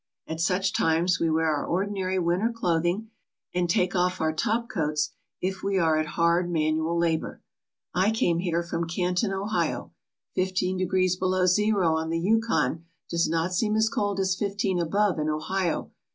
At such times we wear our ordinary winter clothing and take off our top coats if we are at hard manual labour. I came here from Canton, Ohio. Fifteen degrees below zero on the Yukon does not seem as cold as fifteen above in Ohio.